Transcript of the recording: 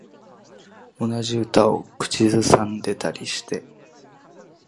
同じ歌を口ずさんでたりして